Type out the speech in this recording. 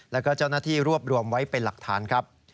แล้วก็เจ้าหน้าที่รวบรวมไว้เป็นหลักฐานครับ